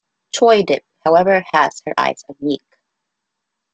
Choi-dip, however, has her eyes on Yik.